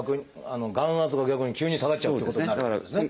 眼圧が逆に急に下がっちゃうってことになるってことですね。